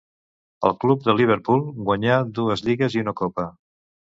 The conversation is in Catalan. Al club de Liverpool guanyà dues lligues i una copa.